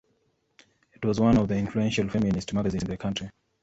It was one of the influential feminist magazines in the country.